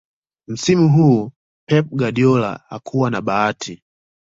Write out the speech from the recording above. msimu huo pep guardiola hakuwa na bahati